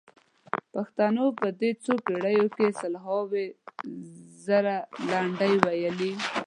پښتنو په دې څو پېړیو کې سلهاوو زره لنډۍ ویلي.